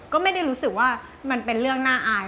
ก็ไม่ได้รู้สึกว่ามันเป็นเรื่องน่าอาย